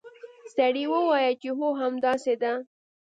سړي وویل چې هو همداسې ده.